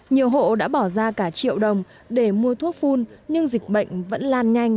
nhiều hộ đã bỏ ra cả triệu đồng để mua thuốc phun nhưng dịch bệnh vẫn lan nhanh